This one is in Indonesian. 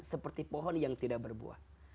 seperti pohon yang tidak berbuah